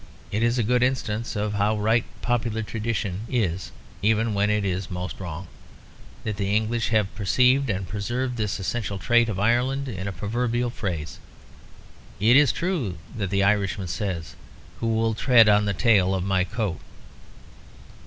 It is a good instance of how right popular tradition is even when it is most wrong, that the English have perceived and preserved this essential trait of Ireland in a proverbial phrase. It is true that the Irishman says, "Who will tread on the tail of my coat?"